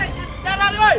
jangan lari ui